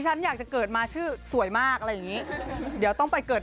ฉันอยากจะเกิดมาชื่อสวยมากอะไรอย่างงี้เดี๋ยวต้องไปเกิด